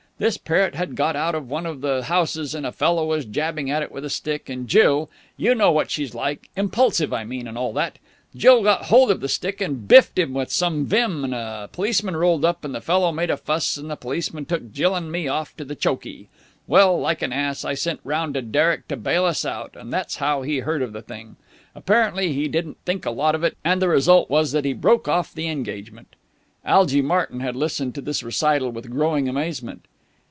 This parrot had got out of one of the houses, and a fellow was jabbing at it with a stick, and Jill you know what she's like; impulsive, I mean, and all that Jill got hold of the stick and biffed him with some vim, and a policeman rolled up and the fellow made a fuss and the policeman took Jill and me off to chokey. Well, like an ass, I sent round to Derek to bail us out, and that's how he heard of the thing. Apparently he didn't think a lot of it, and the result was that he broke off the engagement." Algy Martyn had listened to this recital with growing amazement.